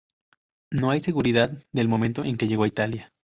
No hay seguridad del momento en que llegó a Italia.